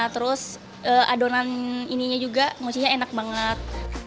terus adonan ininya juga musiknya enak banget